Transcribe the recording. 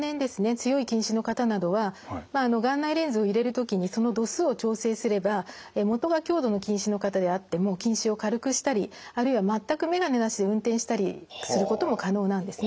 強い近視の方などは眼内レンズを入れる時にその度数を調整すれば元が強度の近視の方であっても近視を軽くしたりあるいは全く眼鏡なしで運転したりすることも可能なんですね。